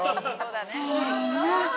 せの。